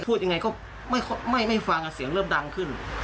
พูดยังไงก็ไม่ฟังเสียงเริ่มดังขึ้น